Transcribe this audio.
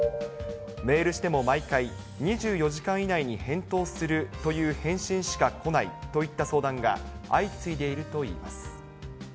メールしても毎回、２４時間以内に返答するという返信しか来ないといった相談が相次いでいるといいます。